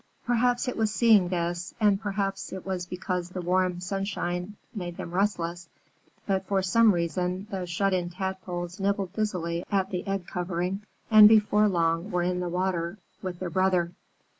Perhaps it was seeing this, and perhaps it was because the warm sunshine made them restless but for some reason the shut in Tadpoles nibbled busily at the egg covering and before long were in the water with their brother.